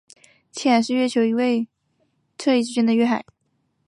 汽海是月球一座位于澄海西南侧和雨海东南侧之间的月海。